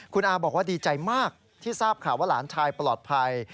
คุณอาบอกว่าดีใจมากที่ทราบข่าวว่าหลานชายปลอดภัย